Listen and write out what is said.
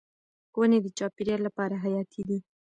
ونې د چاپیریال لپاره حیاتي دي.